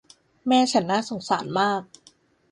แม่ฉันน่าสงสารมาก